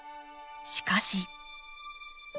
しかし。